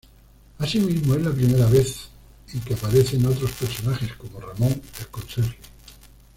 Asimismo, es la primera vez en que aparecen otros personajes como Ramón el conserje.